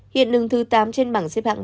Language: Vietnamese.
hiện đứng thứ tám trên bảng xếp hạng